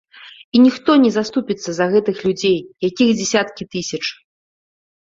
І ніхто не заступіцца за гэтых людзей, якіх дзясяткі тысяч!